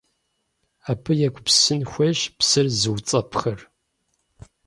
Абы егупсысын хуейщ псыр зыуцӀэпӀхэр.